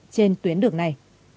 trên tuyến đường này